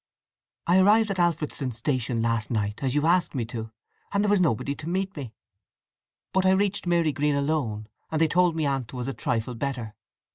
"I arrived at Alfredston station last night, as you asked me to, and there was nobody to meet me! But I reached Marygreen alone, and they told me Aunt was a trifle better.